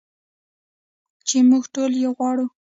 چې موږ ټول یې غواړو.